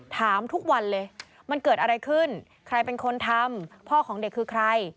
ถามทุกวันเลยมันเกิดอะไรขึ้นใครเป็นคนทำพ่อของเด็กคือใคร